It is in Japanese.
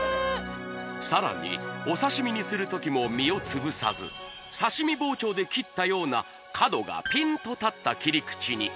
さらにお刺身にする時も身を潰さず刺身包丁で切ったような角がピンッと立った切り口に！